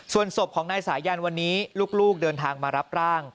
ส่วนศพของนายสายันวันนี้ลูกเดินทางมารับร่าง